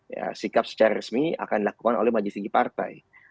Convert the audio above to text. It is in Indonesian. ya sikap secara resmi akan dilakukan oleh majelis tinggi partai